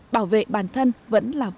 bảo vệ bản thân vẫn là vui